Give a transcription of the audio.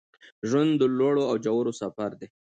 ژوند د لوړو او ژورو سفر دی